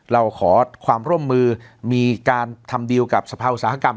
เราขอความร่วมมือมีการทำดีลกับสภาอุตสาหกรรม